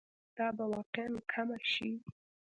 دا به واقعاً کمه شي.